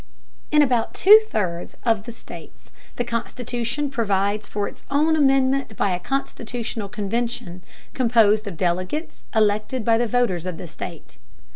In about two thirds of the states the constitution provides for its own amendment by a constitutional convention composed of delegates elected by the voters of the state.